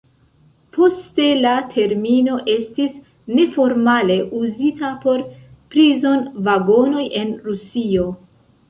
Poste la termino estis neformale uzita por prizon-vagonoj en Rusio.